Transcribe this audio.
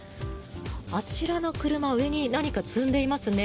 あちらの車上に何か積んでいますね。